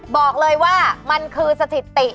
บอกเลยว่ามันคือสถิติ